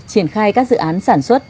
triển khai các dự án sản xuất